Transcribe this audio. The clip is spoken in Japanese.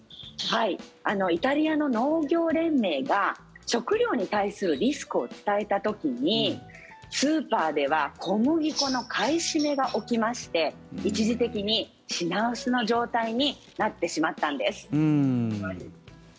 イタリアの農業連盟が食料に対するリスクを伝えた時にスーパーでは小麦粉の買い占めが起きまして一時的に品薄の状態になってしまったんです。